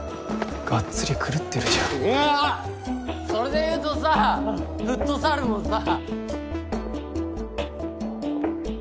それで言うとさフットサルもさ。